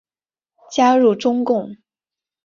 加入中共。